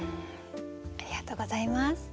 ありがとうございます。